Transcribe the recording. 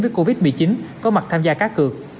với covid một mươi chín có mặt tham gia cá cược